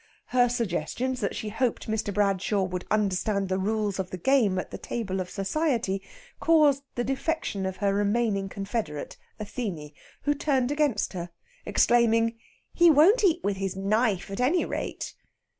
Her suggestions that she hoped Mr. Bradshaw would understand the rules of the game at the table of Society caused the defection of her remaining confederate, Athene, who turned against her, exclaiming: "He won't eat with his knife, at any rate!"